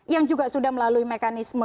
yang juga sudah melalui mekanisme